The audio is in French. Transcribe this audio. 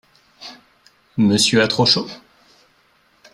Monsieur a trop chaud ?